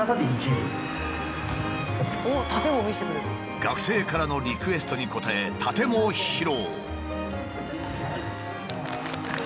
学生からのリクエストに応えタテも披露。